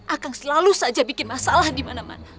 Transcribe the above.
aku selalu saja bikin masalah dimana mana